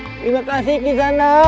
terima kasih kisana